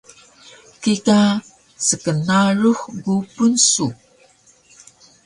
kika sknarux gupun su